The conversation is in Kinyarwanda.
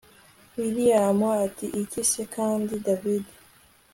william ati iki se kandi davide!